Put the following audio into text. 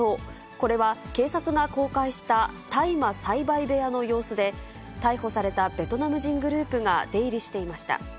これは警察が公開した大麻栽培部屋の様子で、逮捕されたベトナム人グループが出入りしていました。